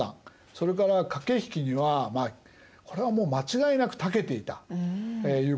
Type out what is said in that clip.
それから駆け引きにはこれはもう間違いなくたけていたということがいえる。